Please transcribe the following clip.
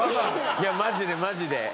いやマジでマジで。